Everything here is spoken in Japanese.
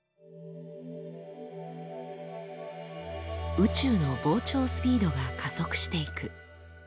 宇宙の膨張スピードが加速していく。